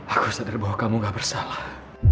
aku sadar bahwa kamu gak bersalah